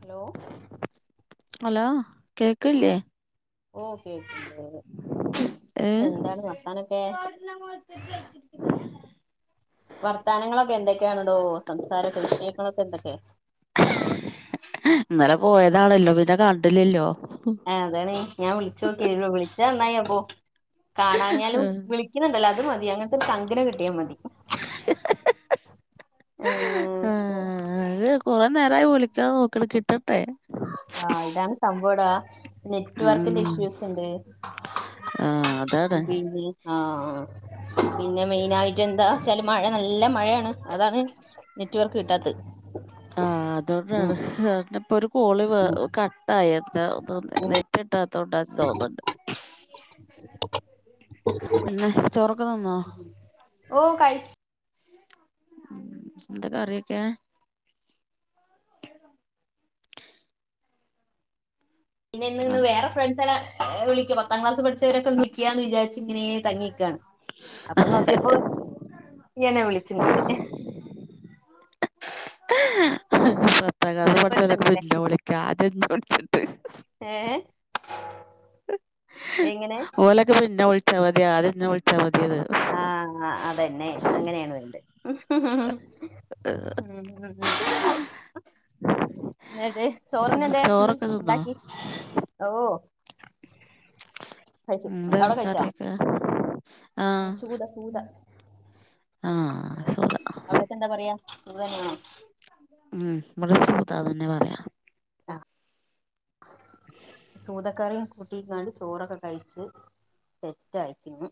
Hello hello ആഹ് കേക്കല്ലേ ഓ, കേക്ക്ണ്ട്. എന്താണ് വർത്താനൊക്കെ ഏഹ്. വർത്താനങ്ങളൊക്കെ, എന്തൊക്കെയാണടോ, സംസാരൊക്കെ, വിഷയങ്ങളൊക്കെ, എന്തൊക്കെ ആ. ഇന്നലെ, പോയതാണല്ലോ, പിന്നെ കണ്ടിലല്ലോ. ആ, അതാണ്, ഞ, ഞാൻ, വിളിച്ചോക്കിയെ, വിളിച്ചന്നായി, അപ്പൊ. കാണാഞ്ഞാലും, വിളിക്കുന്നുണ്ടല്ലോ, അത് മതി, അങ്ങനത്തെ, ഒരു, ചങ്കിനെ, കിട്ടിയാതി. ഉം. കുറെേ, നേരായി, വിളിക്കാൻനോക്ക്ണ്, കിട്ടണ്ടെ. ആഹ, ഇതാണ്, സംഭവം ഡാ, നെറ്റ് വർക്കിന്റെ, ഉം ഇഷ്യൂസ് ണ്ട്. ആ അതാണ് പിന്നെ, ആ, പിന്നെ മെയിനായിട്ട് [unintelligible] എന്താ, വച്ചാല്, മഴ, നല്ല മഴയാണ്, അതാണ്, നെറ്റ്വർക്ക്, കിട്ടാത്തത്. ആഹ, ഉം അതുകൊണ്ടാണ്, ഹഹ്, ഉം [unintelligible] കട്ടായത, തോന്നെ, നെറ്റിട്ടാത്തൊണ്ട, തോന്നുണ്ട്. പിന്നെ ചോറൊക്കെ തിന്നോ [inaudible] ഓ, കയ്ച്ച മ്മ്, എന്ത കറിയൊക്കെ. പിന്നെ, ഇന്ന്, ന്ന്, വേറെ ഫ്രണ്ട്‌ല്ല, വിളിക്ക, അ, പത്താം, ക്ലാസ്സ്‌ പഠിച്ചോരൊക്കെന്ന്, വിളിക്കാന്ന്, വിചാരിച്ച ഇതിങ്ങനെ, തങ്ങിക്കാണ്, അപ്പൊ, നോക്കിയപ്പോ എന്നെ, വിളിച്ച്ങ്ങോട്ട്. [inaudible] പത്താം ക്ലാസ് പഠിച്ചലൊക്കെ മനപ്പൊരുത്തണ്ടല്ലേ ന്നെ വിളിക്കാ അതെന്ത ന്നെ വിളിച്ചിട്ട് ഏ എങ്ങനെ ഓലൊക്കെ പിന്നെ വിളിച്ചാ മതി ആദ്യം ന്നെ വിളിച്ച ആഹ് അതന്നെ അങ്ങനെയാണ് വേണ്ടത് [unintelligible] എന്ന്ട്ടെ ചോറിന്നെന്തേ ചോറൊക്കെ തിന്നോ ഉണ്ടാക്കി ഓ കഴിച്ചു എന്താ അവിടെ കഴിച്ചോ കറിയൊക്കെ ആഹ് സൂത സൂത ആ അവിടെക്കൊ എന്താ പറയാ സുത തന്നെയാണോ ഉം ഇബെടെ സൂതാന്നെന്നെ പറിയാ സൂതക്കറിം കുട്ടിക്കാണ്ട് ചോറൊക്കെ കഴിച്ച് സെറ്റ് ആയിക്ക്ണ്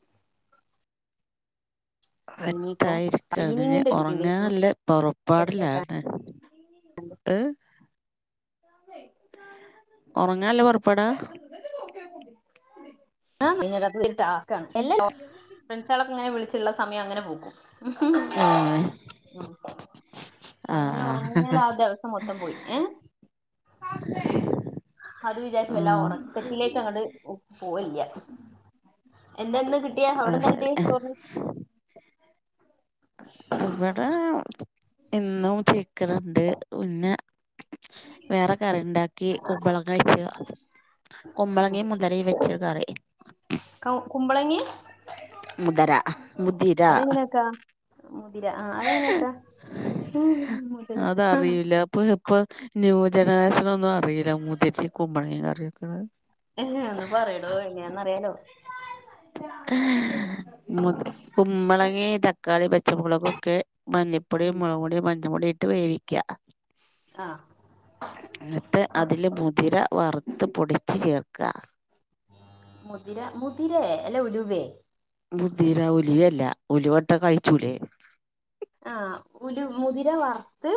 സെറ്റായി ഇരിക്കാണ് ഇഞ്ഞ് ക്ലീനിങ്ങിന്റെ ഡ്യൂട്ടി ഒറങ്ങാൻ ഉണ്ട് ഇല്ലെ സെറ്റ് ആക്കാൻ പൊറപ്പാടിലാണ് ഹ് ഒറങ്ങാൻ ഇല്ലെ പൊറപ്പാടാ ആ [unintelligible] ടാസ്ക്കാണ് എല്ലാ [unintelligible] ഫ്രണ്ട്സാളൊക്കെ ഇങ്ങെനെ വിൾച്ച് ഇള്ള സമയം അങ്ങനെ പോകും [unintelligible] അങ്ങനെ ഒറങ്ങിയാൽ ആഹ് ആ ദെവസം മൊത്തം പോയി ഏഹ് അത് വിചാര്ച്ച് വല്ലായെ ഉം ഒറക്കത്തിലേക്ക് അങ്ങെട്ട് പോവ്വെൽ ഇല്ല എന്താന്ന് കിട്ടിയെ? അവ്ടെ അത് എന്താ ശരി കിട്ടിയെ ചോറ്ന്? ഇവെടെ ഇന്നും ചിക്കെന് ഇണ്ട് പിന്നെ വേറെ കറിണ്ടാക്കി കുമ്പളെങ്ങ വെച്ച് ഉം കുമ്പളങ്ങിം മുതെരം വെച്ചൊര് കറി ചിക്കൻ കുമ്പളങ്ങി മുദെരാ, മുതിരാ അതെങ്ങനെ വെക്കാ മുതിര ആ അതെങ്ങനെയൊക്ക മുതിര ഇത് ഇപ്പം ന്യൂ ജെനറെഷൻ ഒന്നും അറീലാ മുതിരിം കുമ്പെളങ്ങിം കറി വെക്ക്ണെ ഏ ഒന്ന് പറയടോ എനെയാന്ന അറിയാലോ മുത് കുമ്പെളങ്ങിം തക്കാളി പച്ചമുളകൊക്കെ മഞ്ഞപ്പൊടി, ഉം മൊളക് പൊടി, മഞ്ഞ പൊടി ഇട്ട് വേവിക്കാ ആ എന്നിട്ട് അതിൽ മുതിര വർ ത്ത് പൊടിച്ച് ചേർക്കാ മുതിര. മുതിരെ? അല്ല ഉലുവേ? മുതിര. ഉലുവ അല്ല ഉലുവ ഇട്ടാ കഴ്ച്ചൂലെ? ആഹ് ഉലു മുതിര വർത്ത്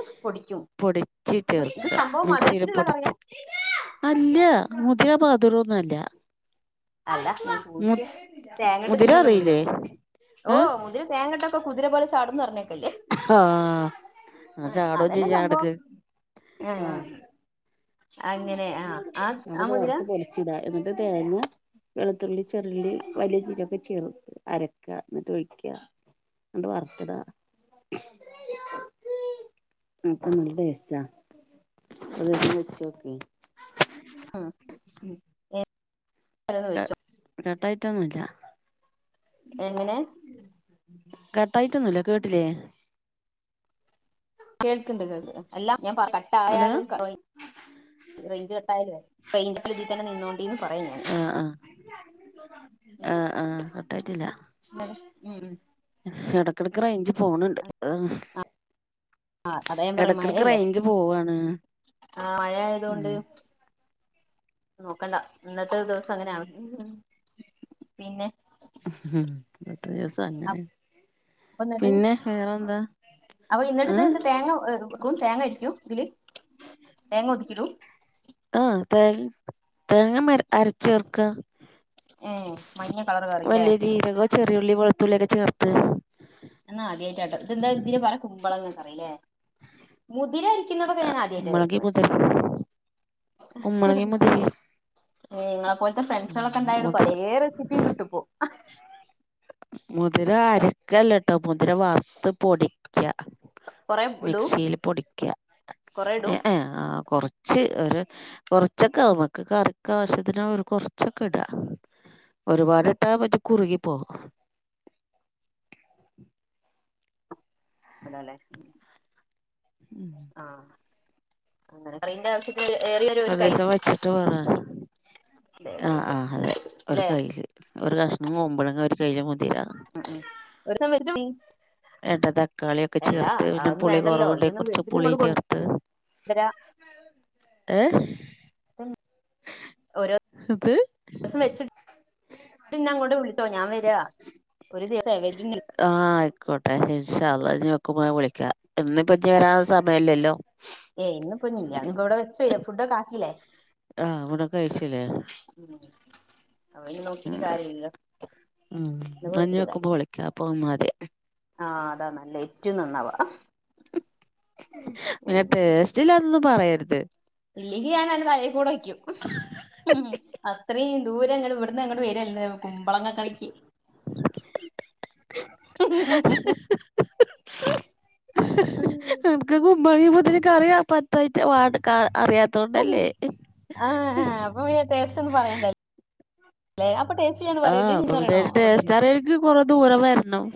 പൊടിച്ച് ചേർക്കാ മിക്സിൽ മധുരത്തിലുള്ള കറിയാ പൊടിച്ച് അല്ല മുതിര മാ ത്രോന്നും അല്ല അല്ല ഞാൻ ചോദിക്ക തേങ്ങട്ട് തിന്നല്ലോ മുതിര ഓ ഏഹ് മുതിര തേങ്ങട്ട ഇപ്പൊ കുതിര പോലെ ചാടൂന്ന് പറഞ്ഞേക്കല്ലേ ആഹ് ആ ആഹ് ചാടും അതല്ലേ ചെയ്യാ സംഭവം ഇടക്ക് ആഹ് ആഹ് അത് പൊറത്ത് പൊടിച്ചിടാ എന്നിട്ട് തേങ്ങ വെളുത്തുള്ളി ചെറുള്ളി വലിയ ചീരൊക്കെ ചേർത്ത് അരക്ക എന്നിട്ട് ഒഴിക്കുക ആണ്ട് വറ്ത്തിടാ നല്ല ഒരു ദിവസം വെച്ചുനോക്ക് ആഹ് ക കട്ടായിട്ടൊന്നുല്ല എങ്ങനെ കട്ടായിട്ടൊന്നുല്ല കേട്ടിലേ കേൾക്ക്ണ്ട് കേൾക്ക്ണ്ട് അല്ല ഞാൻ ഹലോ കട്ടായാലും റേഞ്ച് കെട്ടായി റേഞ്ച് [unintelligible] ന്നെ നിന്നോണ്ടീന്ന് പറയും ഞാൻ ആഹ് ആഹ് ഉം. ആഹ് ആഹ് കട്ടായിട്ടില്ല ഉം, ഉം. ഇടക്കിടക്ക് റേഞ്ച് പോണ് ണ്ട് ആഹ് അതാ ഞാൻ പറഞ്ഞേ മയല്ലേ റേഞ്ച് പോവാണ് ആഹ് മഴ ആയതൊണ്ട് ഉം നോക്കണ്ട ഇന്നത്തെ ദിവസം അങ്ങനെയാണ് പിന്നെ ഉം ഒരു ദിവസം അങ്ങനെ അപ്പൊ എന്നിട്ട് പിന്നെ വേറെന്താ അപ്പൊ ഇന്നിട്ട് ഇത് ഏഹ് തേങ്ങ വെക്ക തേങ്ങ ഇടിക്കും ഇതില് തേങ്ങ ഒതുക്കിടൂം ആഹ് തേ തേങ്ങ അരച്ചേർക്ക ഏ മഞ്ഞ കളർ കറി അല്ലേ വലിയ ജീരകോ ചെറിയുള്ളി വെളുത്തുള്ളിയൊക്കെ ചേർത്ത് എന്നാ ആദ്യയിട്ടാട്ടോ ഇതെന്താ ഇതി പറ കുമ്പളങ്ങറിയില്ലേ മുതിരി ക്കുന്നതൊക്കെ ഞാൻ ആദ്യയിട്ട് കുമ്പളങ്ങി കേ മുതിര കുമ്പളങ്ങി മുതിര ഏഹ് നിങ്ങളെപ്പോലത്തെ ഫ്രണ്ട്സുകളൊക്കെ ഇണ്ടായൊണ്ട് മുതിര പലേ റെസിപ്പിയും കിട്ടുപ്പോ മുതിര അരക്കല്ലട്ടോ മുതിര വറത്ത് പൊടിക്ക കൊറേ ഇടൂ മിക്സിൽ പൊടിക്ക കൊറേ ഇടൂ ഏ ഏ കൊർച്ച് ഒരു കൊറച്ചൊക്കെ അമക്ക് കറിക്കാവശ്യത്തിനോരു കൊർച്ചൊക്കെ ഇടാ ഒരുപാടിട്ടാ പറ്റെ കുറുകി പോവു അതെല്ലെ ആഹ് അ്ങ്ങനെ പറേണ്ട്യ വ്ശ്യല്യ ഒരു ദിവസം വെച്ചിട്ട് [unintelligible] ആഹ് ഉണ്ട് ആഹ് അതെ ല്ലെ ഒരു കയ്യില് ഒരു കഷ്ണം കൊമ്പഴങ്ങ ഒരു കയ്യില് മുതിര ഉം ഉം ഒരു സം [unintelligible] ഏട്ടത ക്കാളിയൊക്കെ ചേർത്ത് പിന്നെ അതൊന്നും പുളി വേണ്ടല്ലോ കൊറവ്ണ്ടെ ഇയ്യൊന്ന് കൊർച്ച് വെച്ചിട്ട് പുളി ഇങ്ങോട്ട് ചേർത്ത് കൊണ്ടുവരാ ഏഹ് ഓരോ ഇത് സം വെച്ചി ഇന്നെ അങ്ങോട്ട് വിളി റ്റോ ഞാൻ വര ഒരു ദിവസ് ആഹഹ് ആയിക്കോട്ടെ ഇഷാഅള്ളാ ഇഞ് വെക്കുമ്പ വിളിക്കാ ഇന്നിപ്പൊ [unintelligible] സമയല്ലല്ലോ ഏയ് ഇന്നിപ്പോ ഇല്ല ഇന്നിപ്പോ ഇവിടെ വെച്ചോ ഫുഡൊക്കെ ആക്കിയില്ലേ ആഹ് ഊണൊക്കെ കഴിച്ച്ല്ലേ [unintelligible] അവരെ നോക്കീട്ട് ഉം കാര്യമില്ലല്ലോ ഇന്ന് പ്പൊ ന്നാ ഇനി വെച്ചിട്ട് വെക്കുമ്പോ കാര്യല്ല വിളിക്കാം അപ്പൊ മതി ആഹ് അതാ നല്ലത് ഏറ്റവും നന്നാവാ പിന്നെ ടേസ്റ്റ് ഇല്ലാന്നൊന്നും പറയരുത് ഇല്ലെങ്കി ഞാൻ അന്റെ തലേ കൂടെ ഒയ്ക്കും ഉം അത്രയും ദൂരം ഇങ്ങള് ഇവിടുന്ന് അങ്ങട്ട് വരല്ലേ കുമ്പളങ്ങ കറിക്ക് [unintelligible] [unintelligible] അറിയാത്തോണ്ടല്ലേ ആഹ് ആ അപ്പൊ പിന്നെ ടേസ്റ്റൊന്നും പറയണ്ട ല്ലേ അപ്പൊ ടേസ്റ്റിയാന്ന് പറയര്ത് ആഹ് നി അപ്പൊ പിന്നെ പറയണോ അപ്പ തന്നെ ടേസ്റ്റ് അറിയണെങ്കി കൊറേ ദൂരം വരണം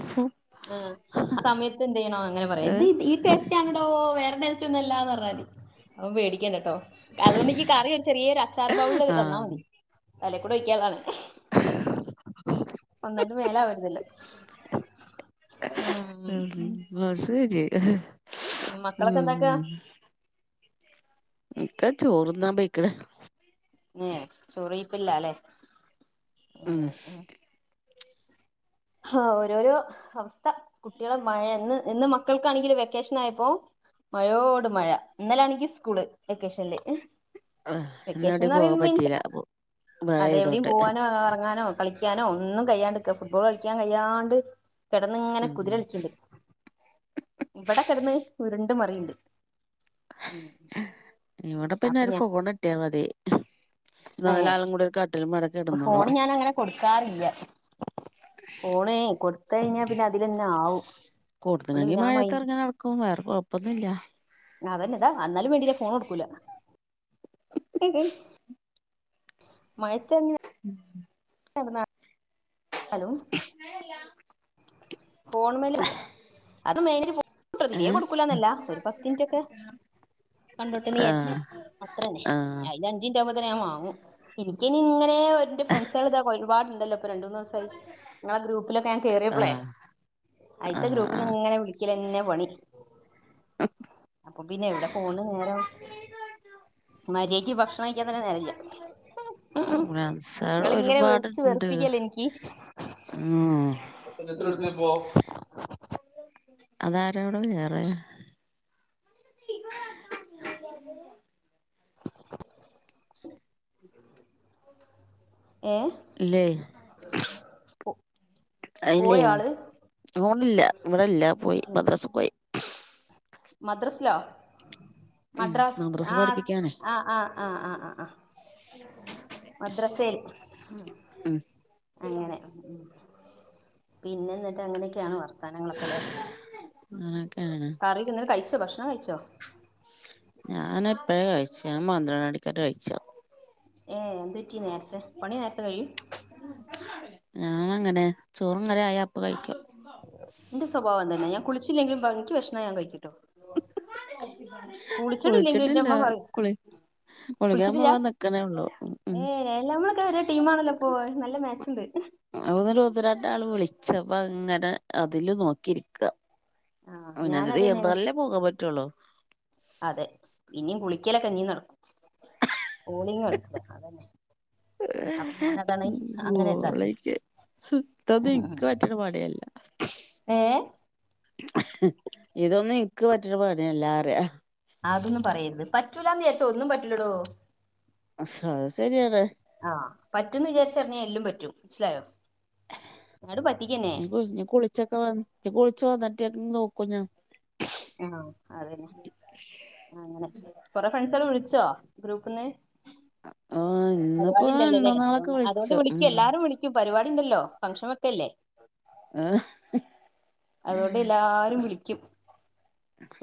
ആ സമയത്ത് എന്ത് ചെയ്യണോ അങ്ങനെ പറയാ ത് ഏഹ് ഈ ടെസ്റ്റണടോ വേറെ ടേസ് റ്റൊന്നല്ലാന്നറഞ്ഞാ മതി അപ്പ പേടിക്കണ്ട ട്ടോ അതുകൊണ്ട് ഇക്ക് കറി ചെറിയൊരു അച്ചാറ് ബൗള്ല് തന്നാ ആഹ് മതി തലേ കൂടെ ഒയ്ക്കാള്ളതാണ് ഒന്നായിട്ട് മേല് ആവരുതല്ലോ ഇന്നാ ശരി ഉം മക്കളൊക്കെ ഉം എന്താക്കാ ഇക്ക ചോറ്ന്നാൻ പെയ്ക്ക്ണ് മ് ചോറൊയ്പ്പിലാല്ലേ ഉം ഹാ ഓരോരോ അവസ്ഥ കുട്ടികളെ മഴ ഇന്ന് ഇന്ന് മക്കൾക്കാണെങ്കില് വെക്കേഷൻ ആയ പ്പൊ മഴയോട് മഴ ഇന്നലാണെങ്കി സ്കൂള് വെക്കേഷനില് ആ ഇന്നേടിം പോവാൻ പറ്റീല അതെ എവിടെയും മഴെയ്തോണ്ട് പോവാനോ ഇറങ്ങാനോ കളിക്കാനോ ഒന്നും കയ്യാണ്ട്ക്ക ഫുട്ബോൾ കളിക്കാൻ കയ്യാണ്ട് കിടന്ന് ഇങ്ങനെ ഉം കുതിരളിക്ക്ണ്ട് ഇവിടെ കിടന്ന് ഉരുണ്ട് മറിയീണ്ട് ഇവിടെ പിന്നെ ഒരു ഫോൺ കിട്ടിയാ മതി നാലാളും കൂടി ഒരു കട്ടിലുമ്മേടെ ഏ ഫോണ് കെടന്നോളും ഞാനങ്ങനെ കൊടുക്കാറില്ല ഫോണേ കൊടുത്ത് കഴിഞ്ഞാ പിന്നെ അതിലന്നെ ആവും അതുകൊണ്ട് കൊടുത്ത്ണെങ്കി പിന്നെ ആ മഴത്ത് മൈൻഡ് ഇറങ്ങാതെ നടക്കും വേറെ കൊഴപ്പൊന്നുംല്ല അതെന്നെ ഇതാ എന്നാലും വേണ്ടീല്ല ഫോൺ കൊടുക്കൂല മഴയത്ത് കെടന്നാ ഹലോ ഫോൺ മേല് ഇല്ല്യ അത് [unintelligible] ഏഹ് കൊടുക്കൂലന്നല്ല ഒരു പത്തിൻറ്റൊക്കെ കണ്ടോട്ടെന്ന് വിചാരിച്ച് ആഹ് അത്രന്നെ ആഹ് അയ്ല് അഞ്ചിൻറ്റ് ആവ് ത്തിന് ഞാൻ വാങ്ങും എനിക്കിങ്ങനെ ഒര് ഓന്റെ ഫ്രണ്ട്സാള് താ ഒരുപാട് ഇപ്പൊ രണ്ട് മൂന്ന് ദിവസായി നിങ്ങളെ ഗ്രൂപ്പിലൊക്കെ ഞാൻ കേറിയപ്പളെ ആഹ് അയിത്ത ഗ്രൂപ്പ്ന്ന് ആഹ് ങ്ങനെ വിളിക്കലന്നെ പണി അപ്പൊ പിന്നെ എവിടെ ഫോണ്ന് നേരം മരിയാതക്ക് ഭക്ഷണം കഴിക്കാൻ തന്നെ നേരല്ല്യ ഫ്രണ്ട്സാള് ഇങ്ങളിങ്ങനെ വിളിച്ച് ഒരുപാടുണ്ട് വെറുപ്പിക്കല്ലേ എനിക്ക് ഉം [unintelligible] അതാരാ അവിടെ വേറെ ഏ ല്ലെ അയില്ലേ പോയോ വാ ആള് ഓന് ഇല്ല ഇവിടെല്ല പോയി മദ്റസെപോയി മദ്ദ്രസിലോ ഉം മഡ്രാസ് മദ്രസ ആആ പഠിപ്പിക്കാനേ ആ ആ ആ ആ ആ മദ്രസയിൽ ഉം ഉം അങ്ങനെ പിന്നെ എന്നിട്ട് അങ്ങനെയൊക്കെയാണ് വർ വർത്താനങ്ങളൊക്കെ അല്ലേ അങ്ങനൊക്കെയാണ് കറിയൊക്ക എന്തേലും കഴിച്ചോ ഭക്ഷണം കഴിച്ചോ ഞാൻ എപ്പഴേ കഴിച്ച് ഞാൻ പന്ത്രണ്ട് മണിക്കറ്റെ കഴിച്ച ഏ എന്ത്‌ പറ്റി നേരത്തെ പണി നേരത്തെ കഴിയും ഞാന് അങ്ങനെ ചോറും കറിം ആയാ അപ്പ കഴിക്കും എന്റെ സ്വഭാവം അങ്ങന്നെ ഞാൻ കുളിച്ചില്ലെങ്കിലും എനിക്ക് വിശന്ന ഞാൻ കഴിക്കിട്ടോ കുളിച്ചിട്ടില്ല പറയും കുളി കുളിക്കാൻ കുളിച്ചിട്ടില്ല പോകാൻ നിക്കണേ ഉള്ളൂ ഉം ഉം ഏ എല്ലമ്മളൊക്കെ ഒ ടീ ആണല്ലോ അപ്പൊ നല്ല മാച്ച് ഉണ്ട് അന്നേരം ഒന്ന് രണ്ട് ആള് വിളിച്ചപ്പ അങ്ങനെ അതില് നോക്കിരിക്ക ആ ഞാനതന്നേ പറ്റുള്ളൂ അതെ ഇനിം കുളിക്കല ക്കഞ്ഞീം നടക്കും കോളിങ് നടക്കൂല അതന്നെ അപ്പൊ ഞാനതാണ് ഉം അങ്ങനെ ഇതാക്കിയത് കോളിങ് എത്തത് ഉം ഉം എനിക്ക് പറ്റണ പണിയല്ല ഏ ഇതൊന്ന് ഇക്ക് പറ്റണ പണി അല്ലാ പറയാ അതൊന്നും പറയത് പറ്റൂലന്ന് വിചാരിച്ച ഒന്നും പറ്റൂലടോ അത് ശരിയാണ് ആ പറ്റൂന്ന് വിചാരിച്ചഞ്ഞാൽ എല്ലും പറ്റൂ മനസ്സിലായോ ഇങ്ങട് പറ്റിക്കന്നെ ഞ്ഞി കുളിച്ചൊക്കെ വന്ന് ഇഞ്ഞി കുളിച്ചു വന്നിട്ട് ട്ടിയങ് നോക്കുഞ്ഞാ ആ അതന്നെ ആ അങ്ങനെ കൊറെ ഫ്രണ്ട്സെല്ലാം വിളിച്ചോ ഗ്രൂപ്പ്ന്ന് ആഹ് ഇന്നിപ്പോ പരിപാടി ഇണ്ടല്ലോല്ലേ ഇന്നും നാളൊക്കെ അതുകോണ്ട് അതുകൊണ്ട് വിളിച്ചു ഉം വിളിക്കും എല്ലാരും വിളിക്കും പരിപാടി ഇവിഡ്ണ്ടല്ലോ ഫങ്ങ്ഷൻ വെക്കെല്ലേ ആഹ് അതൊണ്ട് എല്ലാരും വിളി ക്കും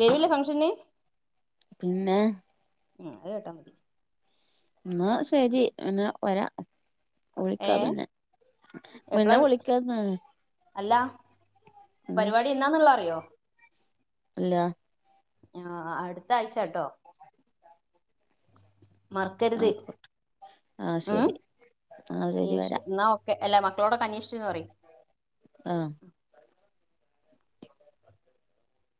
വേരില്ല ഫങ്ഷന് പിന്നെ ഉം അത് കേട്ടാൽ മതി എന്നാ ശരി എന്നാ വരാ ഏ വിളിക്കാ പിന്നെ എപ്പള പിന്നെ വിളിക്കാന്നാ അല്ല ഉം പരിപാടി എന്താന്നുള്ള അറിയോ ഇല്ല ആ അടുത്ത ആഴ്ചാട്ടോ മറക്കരുത് ആഹ് ഉം ശരി ആഹ് ശരി വരാ എന്നാ ഓക്കെ അല്ലാ മക്കളോടൊക്കെ അന്വേഷിച്ചന്ന് പറയ് ആഹ്